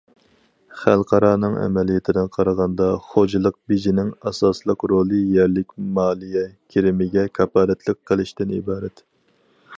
خەلقئارانىڭ ئەمەلىيىتىدىن قارىغاندا، خوجىلىق بېجىنىڭ ئاساسلىق رولى يەرلىك مالىيە كىرىمىگە كاپالەتلىك قىلىشتىن ئىبارەت.